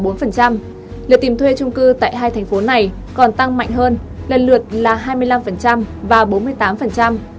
lượt tìm thuê trung cư tại hai thành phố này còn tăng mạnh hơn lần lượt là hai mươi năm và bốn mươi tám